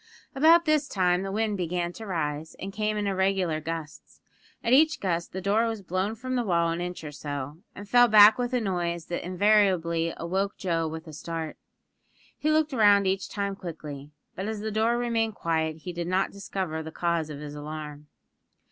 About this time the wind began to rise, and came in irregular gusts. At each gust the door was blown from the wall an inch or so, and fell back with a noise that invariably awoke Joe with a start. He looked round each time quickly; but as the door remained quiet he did not discover the cause of his alarm.